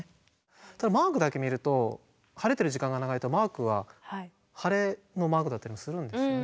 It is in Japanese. ただマークだけ見ると晴れてる時間が長いとマークは晴れのマークだったりもするんですね。